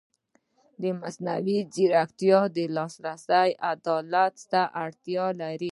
مصنوعي ځیرکتیا د لاسرسي عدالت ته اړتیا لري.